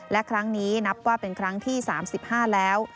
และครั้งนี้นับว่าเป็นครั้งที่๓๕แล้ว